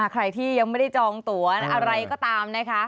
ใครที่ยังไม่ได้จองตัวอะไรก็ตามนะคะ